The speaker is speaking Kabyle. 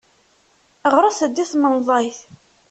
Ɣret-d i tmenḍayt.